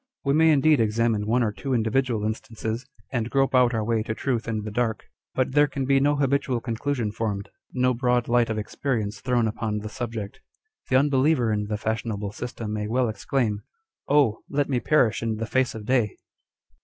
We may indeed examine one or two individual instances, and grope out our way to truth in the dark ; but there can be no habitual conclusion formed, no broad light of 192 On Dr. Spurzlieim's Theory. experience thrown upon the subject. The unbeliever in the fashionable system may well exclaim â€" Oil ! let me perish in the face of day